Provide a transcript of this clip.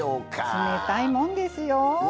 冷たいもんですよ。